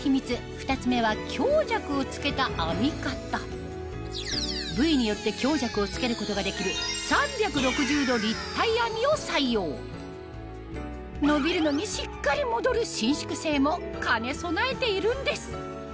２つ目は部位によって強弱をつけることができる３６０度立体編みを採用伸縮性も兼ね備えているんです